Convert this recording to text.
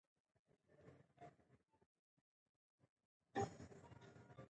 دی د ولس درد په خپلو لیکنو کې راوړي.